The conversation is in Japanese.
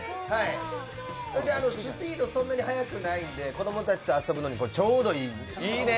それでスピードもそんなに速くないので、子供たちと遊ぶのにちょうどいいんです。